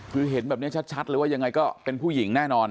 คือเห็นแบบนี้ชัดเลยว่ายังไงก็เป็นผู้หญิงแน่นอน